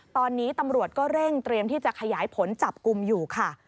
ตอนนี้ตำรวจก็เร่งเตรียมที่จะขยายผลจับกลุ่มอยู่ค่ะ